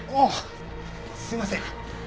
すいません。